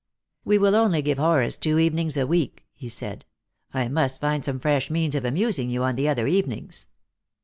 " We will only give Horace two evenings a week," he said. Lost for Love. 205 " I must find some fresh means of amusing you on the other evenings."